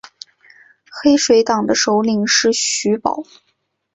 黑水党的首领是徐保。